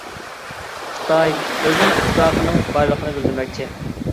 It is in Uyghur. خىتاي ئۆزىنىڭ ئىتتىپاقىنىڭ بارلىقىنى بىلدۈرمەكچى.